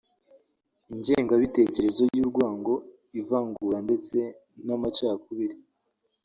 Ingengabitekerezo y’urwango ivangura ndetse n’ amacakubiri